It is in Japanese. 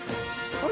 あれ！